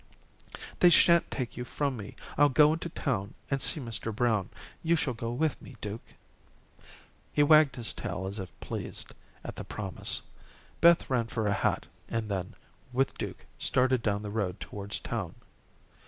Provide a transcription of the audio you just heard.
"They shan't take you from me. I'll go in town and see Mr. Brown. You shall go with me, Duke." He wagged his tail as if pleased, at the promise. Beth ran for a hat, and then, with Duke, started down the road towards town.